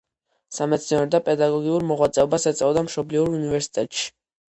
სამეცნიერო და პედაგოგიურ მოღვაწეობას ეწეოდა მშობლიურ უნივერსიტეტში.